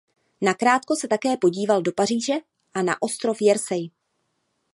Nakrátko se také podíval do Paříže a na ostrov Jersey.